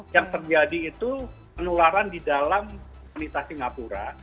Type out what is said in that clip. yang terjadi itu penularan di dalam komunitas singapura